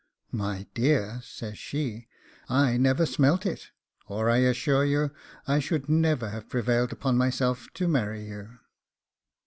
'My dear,' said she, 'I never smelt it, or I assure you I should never have prevailed upon myself to marry you.